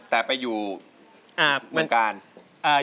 แต่ไปอยู่เมืองกาล